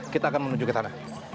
kita akan menuju ke sana